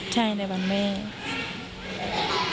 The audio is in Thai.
ใช่ในบางเมฆ